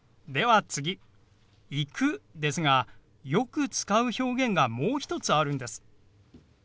では次「行く」ですがよく使う表現がもう一つあるんです。